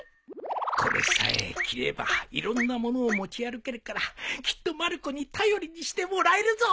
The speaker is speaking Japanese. これさえ着ればいろんなものを持ち歩けるからきっとまる子に頼りにしてもらえるぞ！